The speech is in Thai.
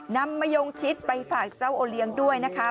มะยงชิดไปฝากเจ้าโอเลี้ยงด้วยนะคะ